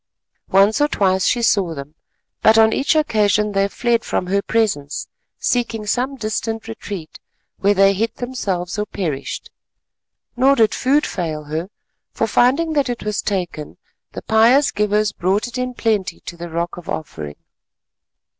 Once or twice she saw them, but on each occasion they fled from her presence—seeking some distant retreat, where they hid themselves or perished. Nor did food fail her, for finding that it was taken, the pious givers brought it in plenty to the Rock of Offering.